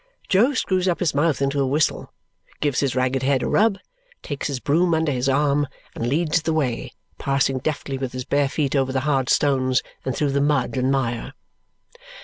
Jo screws up his mouth into a whistle, gives his ragged head a rub, takes his broom under his arm, and leads the way, passing deftly with his bare feet over the hard stones and through the mud and mire.